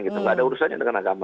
tidak ada urusannya dengan agama